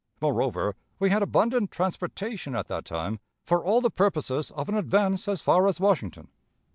Moreover, we had abundant transportation at that time for all the purposes of an advance as far as Washington.